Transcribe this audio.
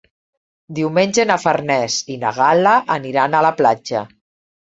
Diumenge na Farners i na Gal·la aniran a la platja.